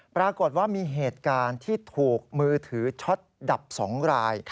ปรากฏว่ามีเหตุการณ์ที่ถูกมือถือช็อตดับ๒ราย